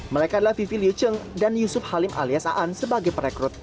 mereka adalah vivi liu cheng dan yusuf halim alias aan sebagai perekrut